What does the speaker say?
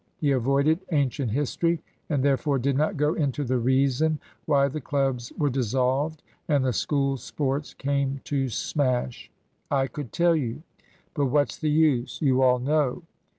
He avoided ancient history, and therefore did not go into the reason why the clubs were dissolved and the School sports came to smash. I could tell you but what's the use? You all know.